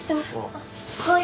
あっはい。